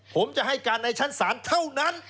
ผมจะให้การในชั้นศาลเท่านั้น